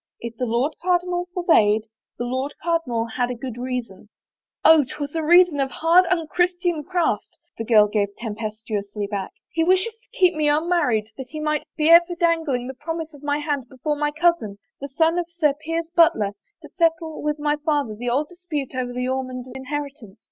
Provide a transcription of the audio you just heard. If the Lord Cardinal forbade, the Lord Cardinal had a good reason." " Oh, 'twas a reason of hard, unchristian craft !" the girl gave tempestuously back. " He wishes to keep me tmmarried that he may be ever dangling the promise of 7 ' THE FAVOR OF KINGS my hand before my cousin, the son of Sir Piers Butler, to settle with my father the old dispute over the Ormond inheritance.